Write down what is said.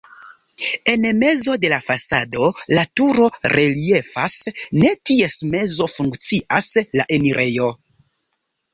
En mezo de la fasado la turo reliefas, en ties mezo funkcias la enirejo.